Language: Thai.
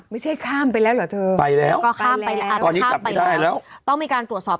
ไม่ใช่ข้ามไปแล้วเหรอเธอไปแล้วก็ข้ามไปแล้วข้ามไปแล้วต้องมีการตรวจสอบ